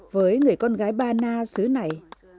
với người con gái ba na xứ này